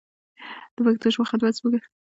د پښتو خدمت زموږ د ټولو شریک مسولیت دی.